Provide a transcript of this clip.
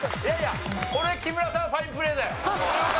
これ木村さんファインプレーだよ。